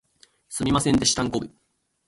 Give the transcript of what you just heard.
すみませんでしたんこぶ